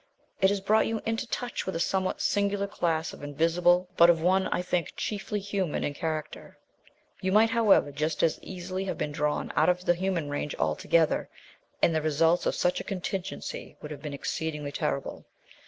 It has brought you into touch with a somewhat singular class of Invisible, but of one, I think, chiefly human in character. You might, however, just as easily have been drawn out of human range altogether, and the results of such a contingency would have been exceedingly terrible.